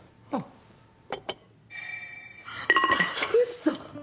嘘！？